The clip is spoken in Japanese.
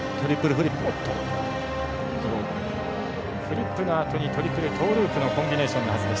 フリップのあとにトリプルトウループのコンビネーションのはずでした。